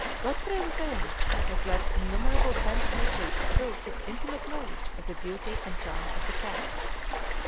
Gottfried Mind has left innumerable pen sketches to prove his intimate knowledge of the beauty and charm of the cat.